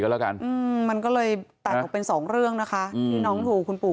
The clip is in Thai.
แล้วกันอืมมันก็เลยแตกออกเป็นสองเรื่องนะคะที่น้องถูกคุณปู่